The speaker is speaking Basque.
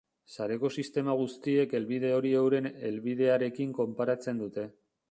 Sareko sistema guztiek helbide hori euren helbidearekin konparatzen dute.